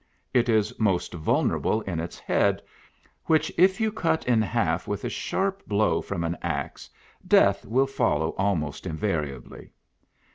It is most vulnerable in its head, which if you cut in half with a sharp blow from an axe, death will follow almost invariably.